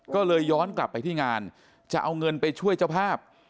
ก็เลยย้อนกลับไปที่งานจะเอาเงินไปช่วยเจ้าภาพ